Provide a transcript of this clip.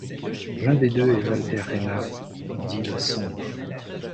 L’un des deux est Walter Reinhardt, dit ‘le Sombre’.